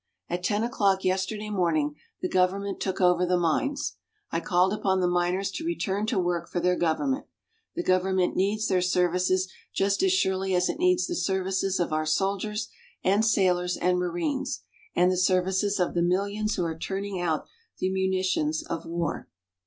At ten o'clock yesterday morning the government took over the mines. I called upon the miners to return to work for their government. The government needs their services just as surely as it needs the services of our soldiers, and sailors, and marines and the services of the millions who are turning out the munitions of war.